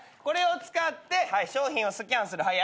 これを使って商品をスキャンする。